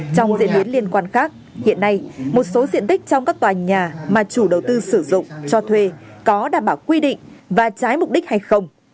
trong diễn biến liên quan khác hiện nay một số diện tích trong các tòa nhà mà chủ đầu tư sử dụng cho thuê có đảm bảo quy định và trái mục đích hay không